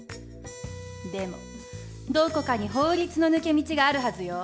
でもどこかに法律の抜け道があるはずよ。